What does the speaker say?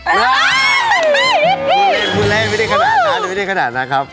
พูดเล่นไม่ได้ขนาดนะนะครับ